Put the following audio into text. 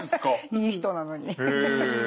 いい人なのに。へ。